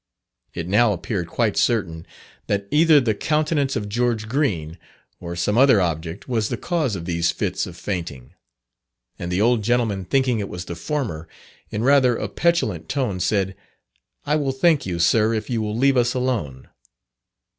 It now appeared quite certain, that either the countenance of George Green, or some other object, was the cause of these fits of fainting; and the old gentleman, thinking it was the former, in rather a petulant tone said, "I will thank you, Sir, if you will leave us alone."